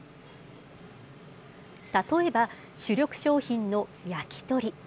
例えば、主力商品の焼き鳥。